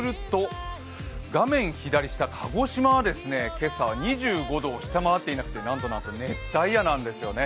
画面左下、鹿児島は、今朝は２５度を下回っていなくてなんとなんと、熱帯夜なんですよね。